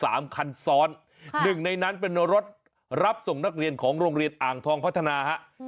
๑ในนั้นเป็นรถรับส่งนักเรียนของโรงเรียนอ่างทองพัฒนาฮะ๑ในนั้นเป็นรถรับส่งนักเรียนของโรงเรียนอ่างทองพัฒนาฮะ